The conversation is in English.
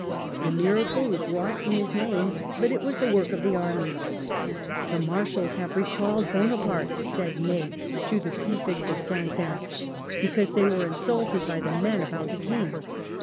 The miracle was wrought in his name, but it was the work of the army. " The Marshals have recalled Bona parte," said Ney to the Prefect of St. Ain, because they 204 WELLINGTON were insulted by the men about the King.